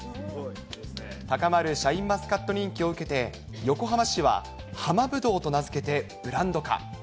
高まるシャインマスカット人気を受けて、横浜市は、浜ぶどうと名付けてブランド化。